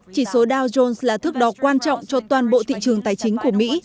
chỉ số dow jones là thước đo quan trọng cho toàn bộ thị trường tài chính của mỹ